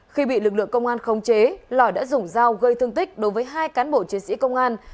khi bị lực lượng công an khống chế lòi đã dùng dao gây thương tích đối với hai cán bộ chiến sĩ công an